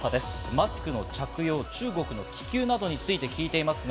マスクの着用、中国の気球などについて聞いています。